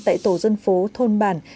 tại tổ dân phố thôn bản